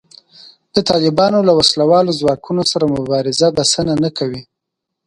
د طالبانو له وسله والو ځواکونو سره مبارزه بسنه نه کوي